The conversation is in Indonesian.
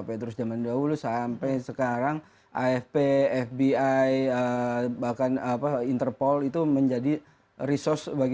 apa yang terus zaman dahulu sampai sekarang afp fbi bahkan apa interpol itu menjadi resource bagi